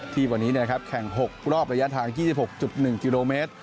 ที่วันนี้แข่ง๖รอบระยะทาง๒๖๑กิโลเมตร